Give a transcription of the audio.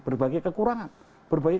berbagai kekurangan berbagai